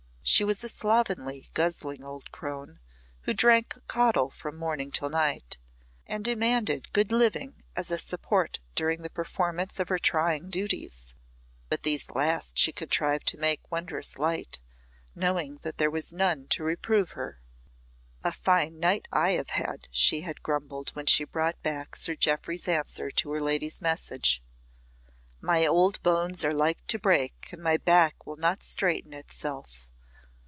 She was a slovenly, guzzling old crone, who drank caudle from morning till night, and demanded good living as a support during the performance of her trying duties; but these last she contrived to make wondrous light, knowing that there was none to reprove her. "A fine night I have had," she had grumbled when she brought back Sir Jeoffry's answer to her lady's message. "My old bones are like to break, and my back will not straighten itself.